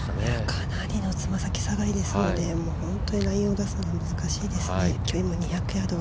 かなりのつま先下がりですので、本当にラインを出すのが難しいですね。